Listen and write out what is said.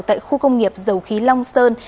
tại khu công nghiệp dầu khí long sơn